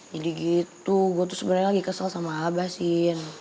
jadi gitu gue tuh sebenernya lagi kesel sama abah sih